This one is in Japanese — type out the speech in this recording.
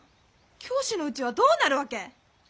教師のうちはどうなるわけ？